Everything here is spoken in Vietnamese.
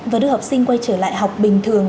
và đưa học sinh quay trở lại học bình thường